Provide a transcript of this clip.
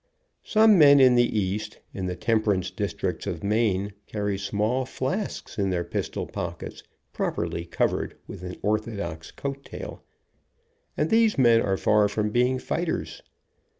Some men in the East, in the temperance districts of Maine, carry small flasks in their pistol pockets, properly covered with an orthodox coat ta^il, and these men are far from being fighters.